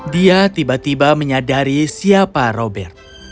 dia tiba tiba menyadari siapa robert